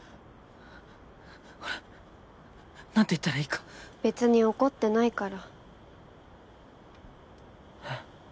俺何て言ったらいいか別に怒ってないからえっ？